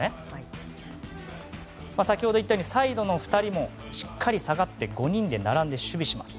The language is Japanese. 先ほど言ったようにサイドの２人もしっかり下がって５人で並んで守備します。